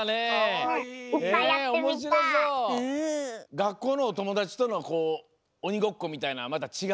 がっこうのおともだちとのこうおにごっこみたいのはまたちがうの？